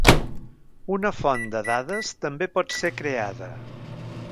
Una font de dades també pot ser creada.